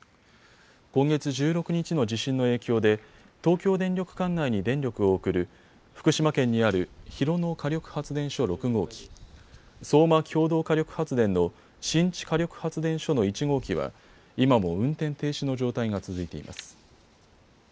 今月１６日の地震の影響で東京電力管内に電力を送る福島県にある広野火力発電所６号機、相馬共同火力発電の新地火力発電所の１号機は今も運転停止の状態が続いています。